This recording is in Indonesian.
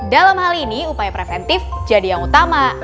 dalam hal ini upaya preventif jadi yang utama